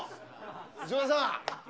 内村さん！